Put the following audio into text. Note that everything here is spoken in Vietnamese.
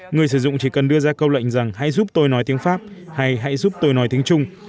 người sử dụng chỉ cần đưa ra câu lệnh rằng hãy giúp tôi nói tiếng pháp hay hãy giúp tôi nói tiếng chung